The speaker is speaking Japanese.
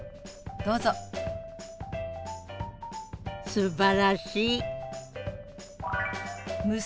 すばらしい！